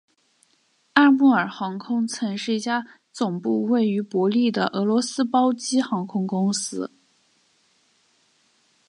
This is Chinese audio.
阿穆尔航空曾是一家总部位于伯力的俄罗斯包机航空公司。